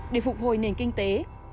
để phục hồi nền kinh tế